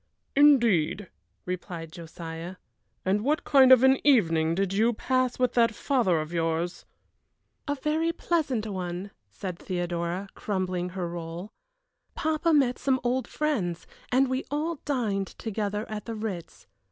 "Indeed," replied Josiah. "And what kind of an evening did you pass with that father of yours?" "A very pleasant one," said Theodora, crumbling her roll. "Papa met some old friends, and we all dined together at the Ritz.